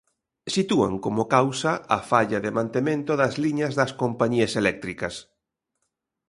Sitúan como causa a falla de mantemento das liñas das compañías eléctricas.